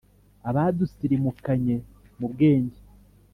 Abadusirimukanye mu bwenge,